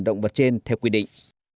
động vật trên theo quy định